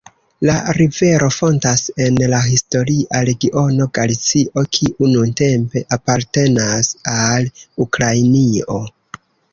La rivero fontas en la historia regiono Galicio, kiu nuntempe apartenas al Ukrainio.